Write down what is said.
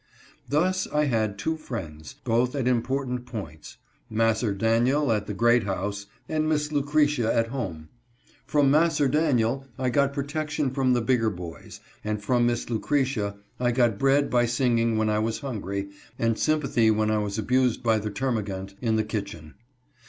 Thus I had two friends, both at important points —■ Mas'r Daniel at the great house, and Miss Lucretia at home. From Mas'r Daniel I got protection from the big ger boys, and from Miss Lucretia I got bread by singing when I was hungry, and sympathy when I was abused by the termagant in the kitchen.